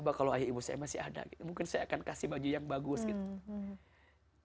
bahwa kalau ayah ibu saya masih ada gitu mungkin saya akan kasih baju yang bagus gitu